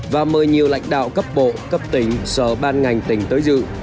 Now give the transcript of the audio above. và mời nhiều lãnh đạo cấp bộ cấp tỉnh sở ban ngành tỉnh tới dự